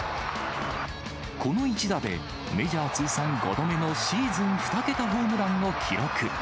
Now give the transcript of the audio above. この一打で、メジャー通算５度目のシーズン２桁ホームランを記録。